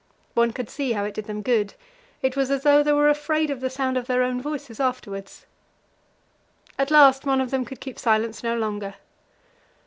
One could see how it did them good; it was as though they were afraid of the sound of their own voices afterwards. At last one of them could keep silence no longer.